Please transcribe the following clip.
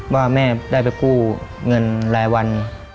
ว่าแม่ได้ไปกู้เงินรายวัน